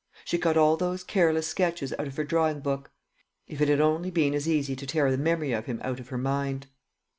She cut all those careless sketches out of her drawing book. If it had only been as easy to tear the memory of him out of her mind!